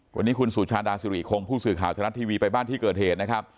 วันนี้คุณสุชาดาสุริคงผู้สื่อข่าวธนัดทีวีไปบ้านที่เกิดเหตุนะครับ